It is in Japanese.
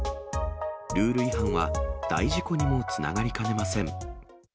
ルール違反は、大事故にもつながりかねません。